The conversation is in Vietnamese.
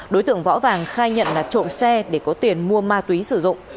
đối tượng võ vàng khai nhận là trộm xe để có tiền mua ma túy sử dụng